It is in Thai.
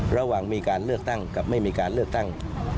ระหว่างมีการเลือกตั้งกับไม่มีการเลือกตั้ง